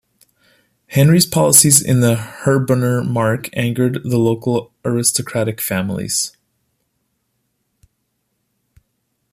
Henry's policies in the Herborner Mark angered the local aristocratic families.